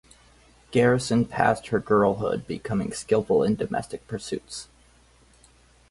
Garrison passed her girlhood becoming skillful in domestic pursuits.